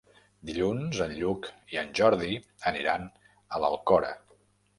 Dilluns en Lluc i en Jordi aniran a l'Alcora.